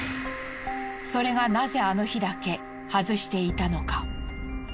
それがなぜあの日だけ外していたのか？